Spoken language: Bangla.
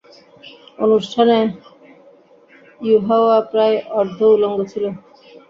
অনুষ্ঠানে ইউহাওয়া প্রায় অর্ধউলঙ্গ ছিল।